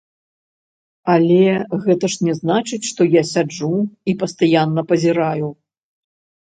Але гэта ж не значыць, што я сяджу і пастаянна пазіраю.